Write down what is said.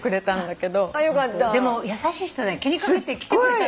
でも優しい人だ気に掛けて来てくれたんでしょ。